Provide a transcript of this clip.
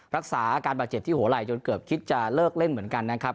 รักษาอาการบาดเจ็บที่หัวไหล่จนเกือบคิดจะเลิกเล่นเหมือนกันนะครับ